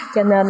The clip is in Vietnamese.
cho nên là